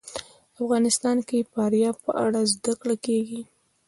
افغانستان کې د فاریاب په اړه زده کړه کېږي.